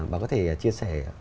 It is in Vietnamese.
bà có thể chia sẻ